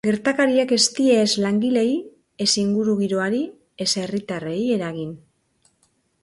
Gertakariak ez die ez langileei, ez ingurugiroari, ez herritarrei eragin.